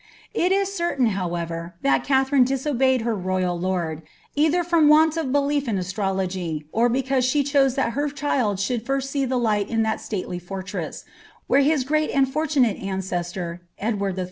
It is certain, however, that Katherine disobeyed her royal lord, either from want of belief in astrology, or because she chose that her child should first see the light in that stately fortress, where his great Mid fortunate ancestor, Edward III.